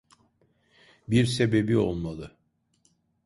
Bir sebebi olmalı.